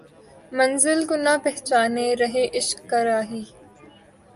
منزل کو نہ پہچانے رہ عشق کا راہی